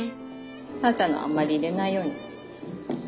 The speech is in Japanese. さぁちゃんのあんまり入れないようにする。